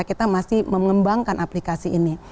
kita masih mengembangkan aplikasi ini